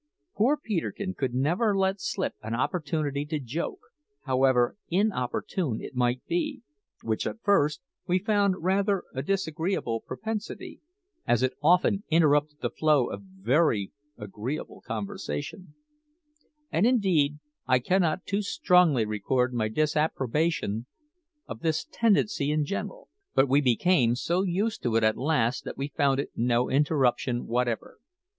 Poor Peterkin could never let slip an opportunity to joke, however inopportune it might be, which at first we found rather a disagreeable propensity, as it often interrupted the flow of very agreeable conversation and, indeed, I cannot too strongly record my disapprobation of this tendency in general; but we became so used to it at last that we found it no interruption whatever.